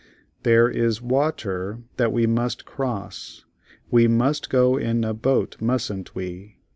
"There is wa ter that we must cross, we must go in a boat musn't we?